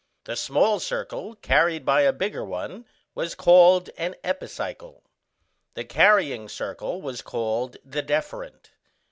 The small circle carried by a bigger one was called an Epicycle. The carrying circle was called the Deferent.